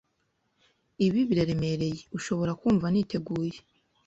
Ibi biraremereye ushobora kumva Niteguye